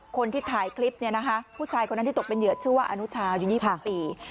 คนที่ถ่ายคลิปเนี่ยนะคะผู้ชายคนนั้นที่ตกเป็นเหยื่อชื่อว่าอนุชาอยู่๒๐ปี